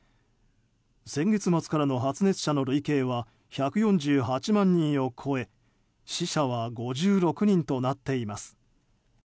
先月末からの発熱者の累計は１４８万人を超え死者は５６人となっています。